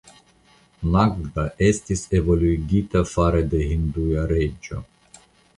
Nagda estis evoluigita fare de hindua reĝo.